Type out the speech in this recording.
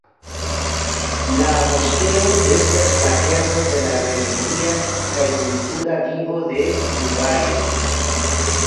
La moskeo estas la kerno de la religia kaj kultura vivo de Dubajo.